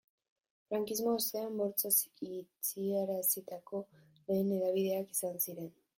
Frankismo ostean bortxaz itxiarazitako lehen hedabideak izan ziren.